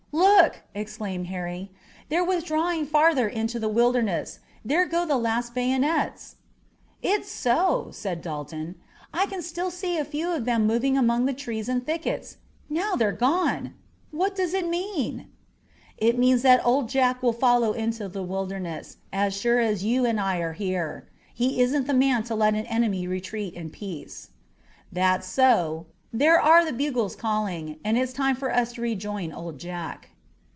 "Look!" exclaimed Harry. "They're withdrawing farther into the Wilderness. There go the last bayonets!" "It's so," said Dalton. "I can still see a few of them moving among the trees and thickets. Now they're all gone. What does it mean?" "It means that Old Jack will follow into the Wilderness, as sure as you and I are here. He isn't the man to let an enemy retreat in peace." "That's so. There are the bugles calling, and it's time for us to rejoin Old Jack."